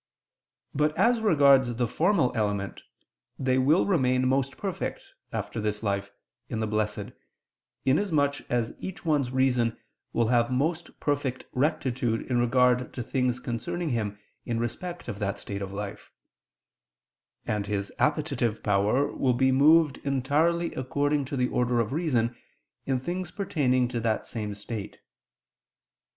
But, as regards the formal element, they will remain most perfect, after this life, in the Blessed, in as much as each one's reason will have most perfect rectitude in regard to things concerning him in respect of that state of life: and his appetitive power will be moved entirely according to the order of reason, in things pertaining to that same state.